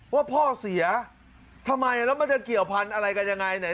ว่าพ่อเสียทำไมแล้วมันจะเกี่ยวพันธุ์อะไรกันยังไงไหน